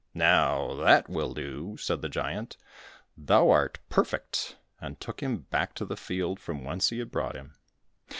"Now that will do," said the giant, "thou art perfect," and took him back to the field from whence he had brought him.